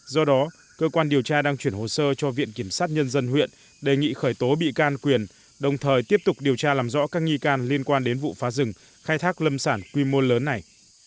do đó cơ quan điều tra đang chuyển hồ sơ cho viện kiểm sát nhân dân huyện đề nghị khởi tố bị can quyền đồng thời tiếp tục điều tra làm rõ các nghi can liên quan đến vụ phá rừng khai thác lâm sản quy mô lớn này